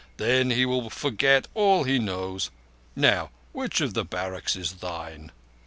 Then he will forget all he knows. Now, which of the barracks is thine?"